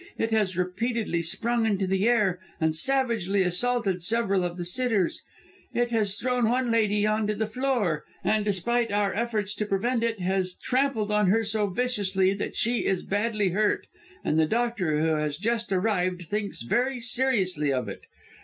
It has repeatedly sprung into the air, and savagely assaulted several of the sitters. It has thrown one lady on to the floor, and despite our efforts to prevent it, has rampled on her so viciously that she is badly hurt, and the doctor who has just arrived thinks very seriously of it.